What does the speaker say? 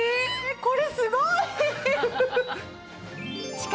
これすごい！